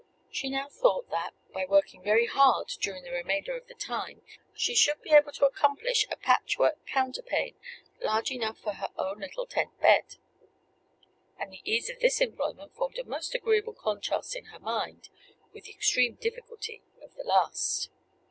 She now thought, that, by working very hard during the remainder of the time, she should be able to accomplish a patch work counterpane, large enough for her own little tent bed; and the ease of this employment formed a most agreeable contrast in her mind with the extreme difficulty of the last.